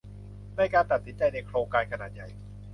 ในการตัดสินใจในโครงการขนาดใหญ่